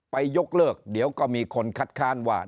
ยกเลิกเดี๋ยวก็มีคนคัดค้านว่า